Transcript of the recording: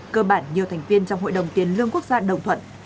cơ bản nhiều thành viên trong hội đồng tiền lương quốc gia đồng thuận